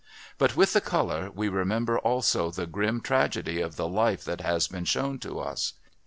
But with the colour we remember also the grim tragedy of the life that has been shown to us.